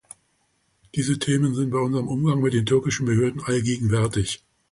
Diese Themen sind bei unserem Umgang mit den türkischen Behörden allgegenwärtig.